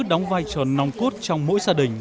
đóng vai trò nòng cốt trong mỗi gia đình